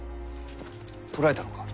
捕らえたのか。